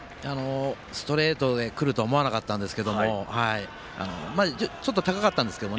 ストレートでくるとは思わなかったんですけどもちょっと高かったんですけど